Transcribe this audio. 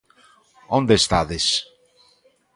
Onde estades?